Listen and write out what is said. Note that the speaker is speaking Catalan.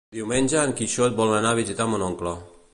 Diumenge en Quixot vol anar a visitar mon oncle.